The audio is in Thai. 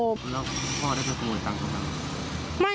แล้วพ่อได้ไปขโมยตังทำไม